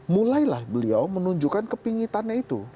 mulailah beliau menunjukkan kepingitannya itu